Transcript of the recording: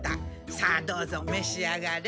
さあどうぞめし上がれ。